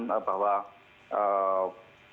sebenarnya saya ingin bertanya